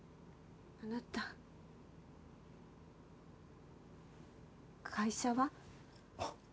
あなた会社は？